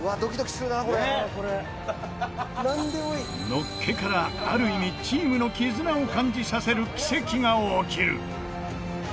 のっけからある意味チームの絆を感じさせる奇跡が起きる！